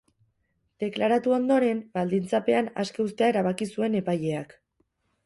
Deklaratu ondoren, baldintzapean aske uztea erabaki zuen epaileak.